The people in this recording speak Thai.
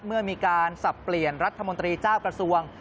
เมื่อมีการสับเปลี่ยนรัฐมนตรีเจ้ากระทรวง